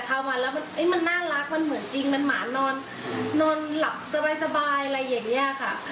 ทำมาแล้วมันน่ารักมันเหมือนจริงมันหมานอนนอนหลับสบายอะไรอย่างนี้ค่ะ